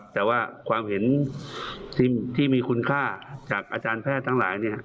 แต่ว่าความเห็นที่มีคุณค่าจากอาจารย์แพทย์ทั้งหลาย